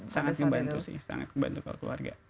sangat membantu sih sangat membantu kalau keluarga